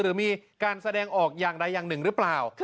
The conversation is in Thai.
หรือมีการแสดงออกอย่างใดอย่างหนึ่งหรือเปล่า